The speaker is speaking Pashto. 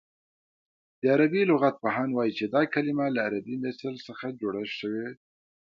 د عربي لغت پوهان وايي چې دا کلمه له عربي مثل څخه جوړه شوې